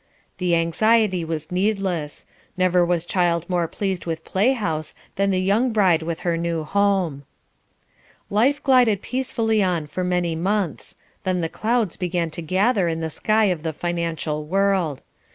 The anxiety was needless; never was child more pleased with play house than the young bride with her new home. Life glided peacefully on for many months, then the clouds began to gather in the sky of the financial world.